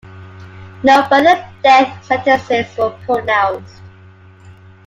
No further death sentences were pronounced.